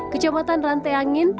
kecamatan rantai angin